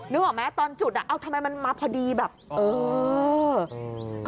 นึกออกไหมที่ตอนจุดเอ้าทำไมมันมาพอดีแบบ